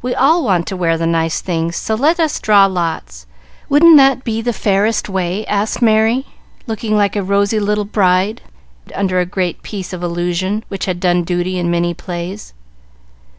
"We all want to wear the nice things, so let us draw lots. Wouldn't that be the fairest way?" asked Merry, looking like a rosy little bride, under a great piece of illusion, which had done duty in many plays.